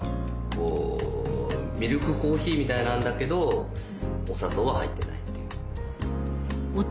ミルクコーヒーみたいなんだけどお砂糖は入ってないっていう。